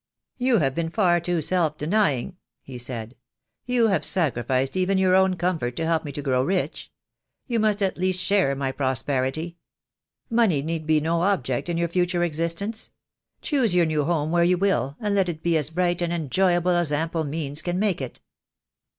"You have been far too self denying," he said; "you have sacrificed even your own comfort to help me to grow rich. You must at least share my prosperity. Money need be no object in your future existence. Choose your new home where you will, and let it be as bright and enjoyable as ample means can make it."